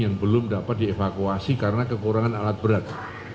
yang belum dapat dievakuasi karena kekurangan alat berat